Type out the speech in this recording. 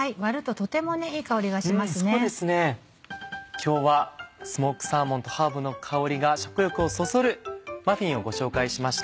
今日はスモークサーモンとハーブの香りが食欲をそそるマフィンをご紹介しました。